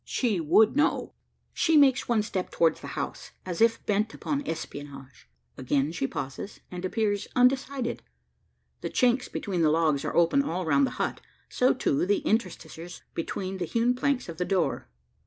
She would know. She makes one step towards the house, as if bent upon espionage. Again she pauses, and appears undecided. The chinks between the logs are open all round the hut so, too, the interstices between the hewn planks of the door.